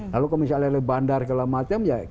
lalu kalau misalnya bandar kelamatnya